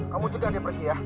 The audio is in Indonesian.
kamu juga dia pergi ya